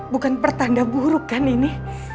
bukan pertanda buruk kan ini